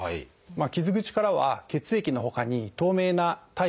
傷口からは血液のほかに透明な体液も出てきます。